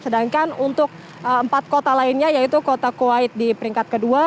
sedangkan untuk empat kota lainnya yaitu kota kuwait di peringkat kedua